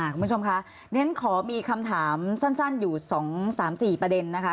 คุณผู้ชมคะขอมีคำถามสั้นอยู่สองสามสี่ประเด็นนะคะ